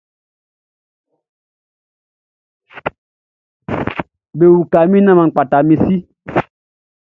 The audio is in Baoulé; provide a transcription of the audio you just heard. Bewuka mi, nan man kpata mi si.